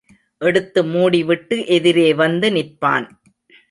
எடுத்து மூடிவிட்டு எதிரே வந்து நிற்பான்.